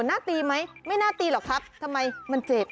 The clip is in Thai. หน้าตีไหมไม่น่าตีหรอกครับทำไมมันเจ็บ